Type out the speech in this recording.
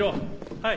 はい。